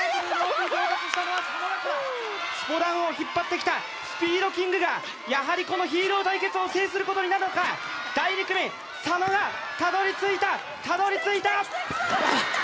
スポダンを引っ張ってきたスピードキングがやはりこのヒーロー対決を制することになるのか第２組佐野がたどり着いたたどり着いた